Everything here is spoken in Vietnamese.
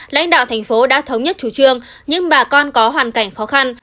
lãnh đạo tp hcm đã thống nhất chủ trương nhưng bà con có hoàn cảnh khó khăn